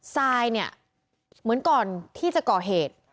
ซายเนี่ยเหมือนก่อนที่จะก่อเหตุ